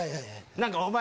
何かお前。